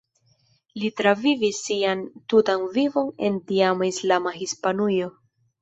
Li travivis sian tutan vivon en tiama islama Hispanujo.